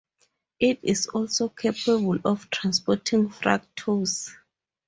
It is also capable of transporting fructose.